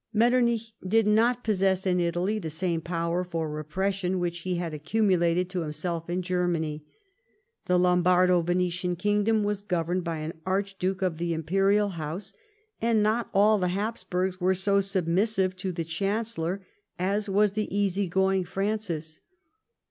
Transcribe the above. Metternich did not possess in Italy the same power for repression which he had accumulated to himself in Germany. The Lombardo Venetian kingdom was governed by an Archduke of the Imperial House, and not all the Habsburgs were so submissive to the Chan cellor as was the easy going Francis.